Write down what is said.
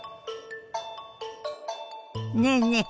ねえねえ